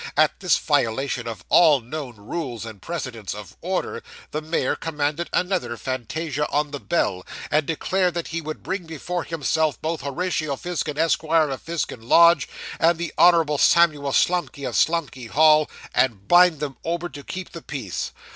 At this violation of all known rules and precedents of order, the mayor commanded another fantasia on the bell, and declared that he would bring before himself, both Horatio Fizkin, Esquire, of Fizkin Lodge, and the Honourable Samuel Slumkey, of Slumkey Hall, and bind them over to keep the peace.